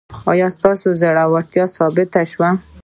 ایا ستاسو زړورتیا ثابته شوه؟